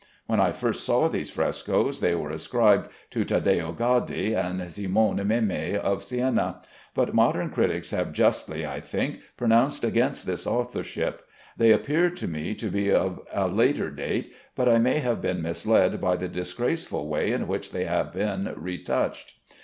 When I first saw these frescoes they were ascribed to Taddeo Gaddi and Simone Memmi of Siena; but modern critics have justly, I think, pronounced against this authorship. They appeared to me to be of a later date, but I may have been misled by the disgraceful way in which they have been retouched.